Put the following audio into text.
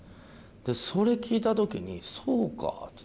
それ聞いた時に「そうか」って。